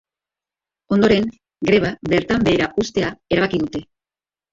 Ondoren, greba bertan behera uztea erabaki dute.